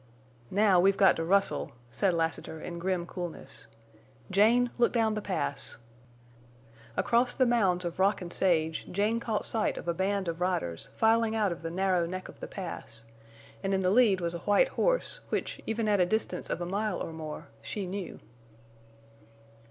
"Now, we've got to rustle!" said Lassiter, in grim coolness. "Jane, look down the Pass!" Across the mounds of rock and sage Jane caught sight of a band of riders filing out of the narrow neck of the Pass; and in the lead was a white horse, which, even at a distance of a mile or more, she knew.